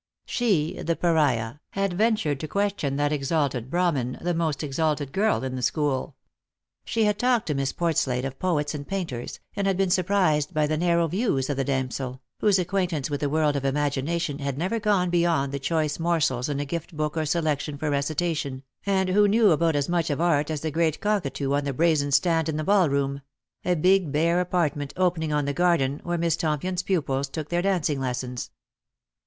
She, the Pariah, had ventured to question that exalted Brahmin, the most exalted girl in the school. She had talked to Miss Portslade of poets and painters, and had been surprised by the narrow views of the damsel, whose acquaintance with the world of imagination had never gone beyond the choice mor sels in a gift book or selection for recitation, and who knew 184 Lost for Love. about as much of art as the great gray cockatoo on the brazen stand in the ballroom — a big bare apartment opening on the garden, where Miss Tompion's pupils took their dancing les sons.